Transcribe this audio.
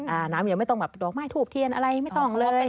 น้ำอย่างเดียวไม่ต้องดอกไม้ถูกเทียนอะไรไม่ต้องเลย